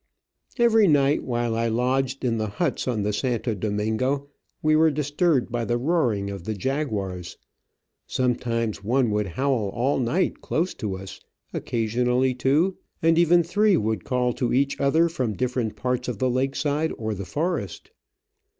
Every night while I lodged in the huts on the Santo Domingo we were disturbed by the roaring of the jaguars. Sometimes one would howl all night close to us ; occasionally two and even three would call to each other from different parts of the lake side or the forest.